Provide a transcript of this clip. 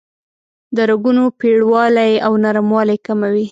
د رګونو پیړوالی او نرموالی کموي.